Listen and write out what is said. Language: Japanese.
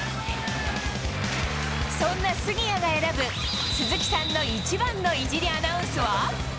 そんな杉谷が選ぶ、鈴木さんの一番のいじりアナウンスは？